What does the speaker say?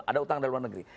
ada hutang dari luar negeri